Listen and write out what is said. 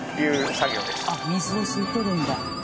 あっ水を吸い取るんだ。